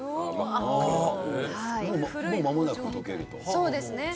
そうですね。